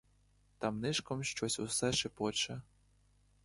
Там нишком щось усе шепоче.